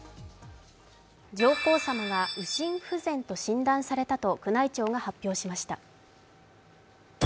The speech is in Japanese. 上皇さまが右心不全と診断されたと宮内庁が発表されました。